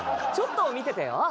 ちょっと見ててよ。